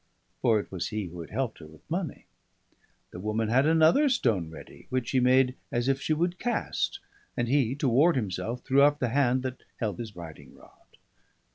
For it was he who had helped her with money. The woman had another stone ready, which she made as if she would cast; and he, to ward himself, threw up the hand that held his riding rod.